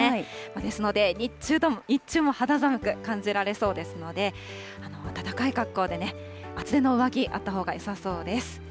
ですので日中も肌寒く感じられそうですので、暖かい格好で、厚手の上着、あったほうがよさそうです。